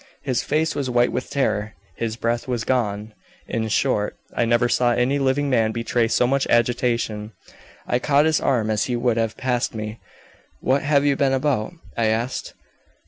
His face was white with terror, his breath was gone in short, I never saw any living man betray so much agitation. I caught his arm as he would have passed me. 'What have you been about?' I asked.